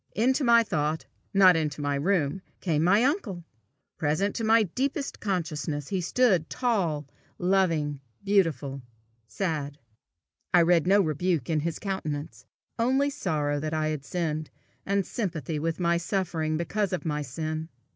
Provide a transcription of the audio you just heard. Into my thought, not into the room, came my uncle! Present to my deepest consciousness, he stood tall, loving, beautiful, sad. I read no rebuke in his countenance, only sorrow that I had sinned, and sympathy with my suffering because of my sin.